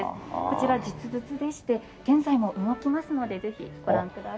こちら実物でして現在も動きますのでぜひご覧ください。